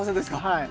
はい。